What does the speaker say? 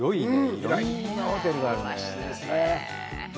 いろんなホテルがあるね。